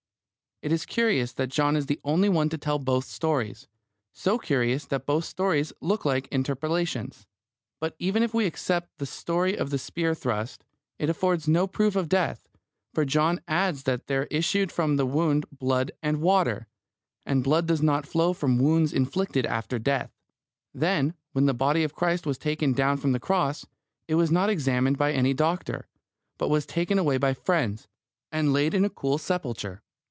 It is curious that John is the only one to tell both stories: so curious that both stories look like interpellations. But even if we accept the story of the spear thrust, it affords no proof of death, for John adds that there issued from the wound blood and water: and blood does not flow from wounds inflicted after death. Then, when the body of Christ was taken down from the cross, it was not examined by any doctor, but was taken away by friends, and laid in a cool sepulchre.